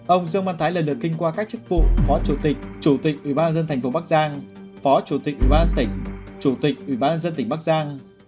ông dương văn thái lần lượt kinh qua các chức vụ phó chủ tịch chủ tịch ủy ban dân thành phố bắc giang phó chủ tịch ủy ban tỉnh chủ tịch ủy ban dân tỉnh bắc giang